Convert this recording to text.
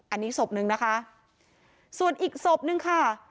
อันนี้ศพนึงนะคะส่วนอีกศพนึงค่ะ